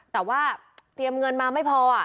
แต่ว่าเตรียมเงินมาไม่พอ